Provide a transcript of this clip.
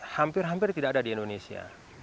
hampir hampir tidak ada di indonesia